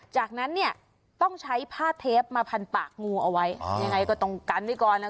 จากนั้นเนี่ยต้องใช้ผ้าเทปมาพันปากงูเอาไว้ยังไงก็ต้องกันไว้ก่อนนะ